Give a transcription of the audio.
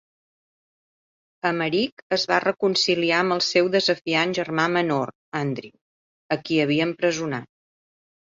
Emeric es va reconciliar amb el seu desafiant germà menor, Andrew, a qui havia empresonat.